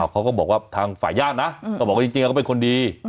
เขาก็บอกว่าทางฝ่ายญาตินะก็บอกว่าจริงเขาเป็นคนดี